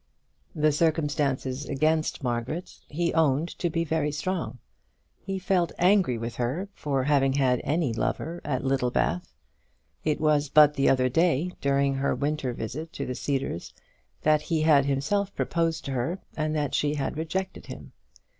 The circumstances against Margaret he owned to be very strong. He felt angry with her for having had any lover at Littlebath. It was but the other day, during her winter visit to the Cedars, that he had himself proposed to her, and that she had rejected him.